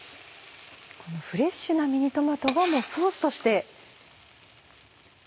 このフレッシュなミニトマトをソースとして。